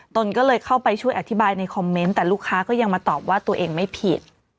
ตนก็เลยเข้าไปช่วยอธิบายในคอมเมนต์แต่ลูกค้าก็ยังมาตอบว่าตัวเองไม่ผิด